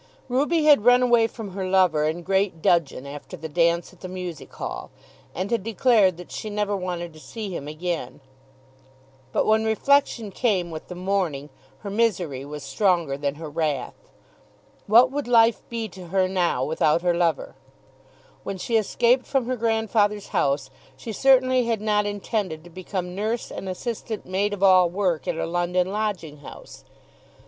Ruby had run away from her lover in great dudgeon after the dance at the Music Hall, and had declared that she never wanted to see him again. But when reflection came with the morning her misery was stronger than her wrath. What would life be to her now without her lover? When she escaped from her grandfather's house she certainly had not intended to become nurse and assistant maid of all work at a London lodging house.